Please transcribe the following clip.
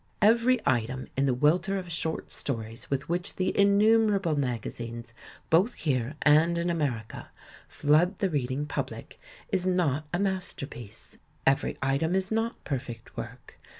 Every item in the welter of short stories with which the innumerable magazines both here and in America flood the reading public is not a mas terpiece. Every item is not perfect work.